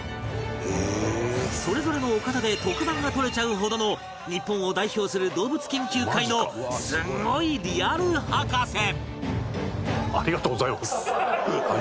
それぞれのお方で特番が撮れちゃうほどの日本を代表する動物研究界のすごいリアル博士！